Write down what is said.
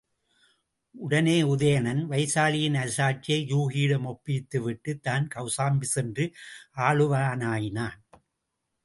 உடனே உதயணன் வைசாலியின் அரசாட்சியை யூகியிடம் ஒப்பித்து விட்டுத் தான் கௌசாம்பி சென்று ஆளுவானாயினான்.